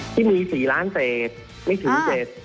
ที่มี๔ล้านเศษไม่ถึง๗๐